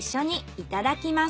いただきます。